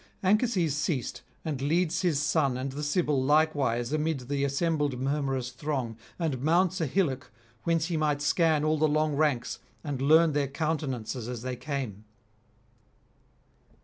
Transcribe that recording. Anchises ceased, and leads his son and the Sibyl likewise amid the assembled murmurous throng, and mounts a hillock whence he might scan all the long ranks and learn their countenances as they came.